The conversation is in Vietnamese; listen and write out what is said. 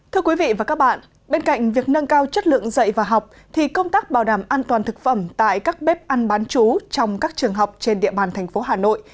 thưa quý vị và các bạn bên cạnh việc nâng cao chất lượng dạy và học thì công tác bảo đảm an toàn thực phẩm tại các bếp ăn bán chú trong các trường học trên địa bàn thành phố hà nội